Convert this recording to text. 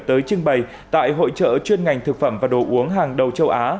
tới trưng bày tại hội trợ chuyên ngành thực phẩm và đồ uống hàng đầu châu á